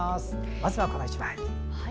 まずは、この１枚。